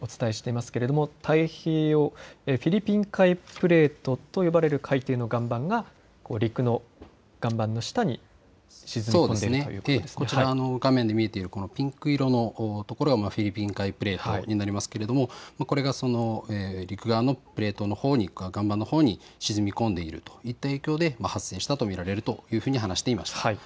フィリピン海プレートと呼ばれる海底の岩盤が陸の岩盤の下に沈み込んでいるということでこちら、画面で見えているピンク色のところがフィリピン海プレートになりますけれども、これが陸側のプレートのほうに、岩盤のほうに沈み込んでいるといった影響で発生したと見られるというふうに話していました。